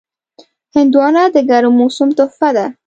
هندوانه د ګرم موسم تحفه ده.